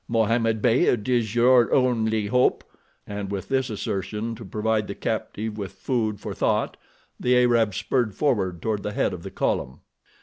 Mohammed Beyd is your only hope," and with this assertion to provide the captive with food for thought, the Arab spurred forward toward the head of the column.